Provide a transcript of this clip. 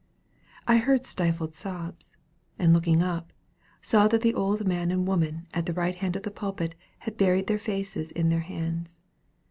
I heard stifled sobs; and looking up, saw that the old man and woman at the right hand of the pulpit had buried their faces in their hands.